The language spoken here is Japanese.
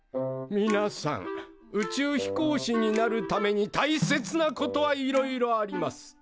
みなさん宇宙飛行士になるためにたいせつなことはいろいろあります。